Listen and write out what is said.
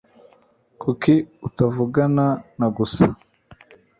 Kuki utavugana na gusa?